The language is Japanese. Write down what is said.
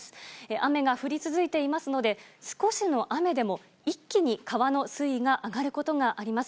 雨が降り続いていますので、少しの雨でも一気に川の水位が上がることがあります。